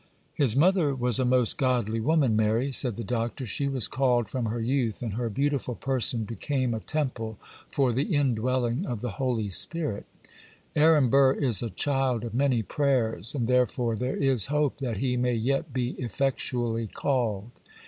'His mother was a most godly woman, Mary,' said the Doctor; 'she was called from her youth, and her beautiful person became a temple for the indwelling of the Holy Spirit. Aaron Burr is a child of many prayers, and therefore there is hope that he may yet be effectually called.